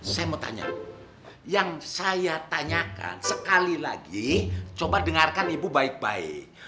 saya mau tanya yang saya tanyakan sekali lagi coba dengarkan ibu baik baik